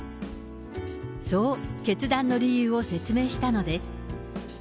そう決断の理由を説明したのです。